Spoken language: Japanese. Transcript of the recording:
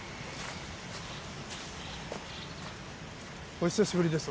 お久しぶりです